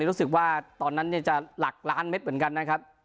รู้สึกว่าตอนนั้นจะหลักล้านเม็ดเหมือนกันนะครับ